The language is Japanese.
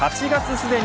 すでに